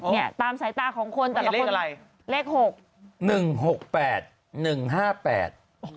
นี่ตามสายตาของคนแต่ละคนเลข๖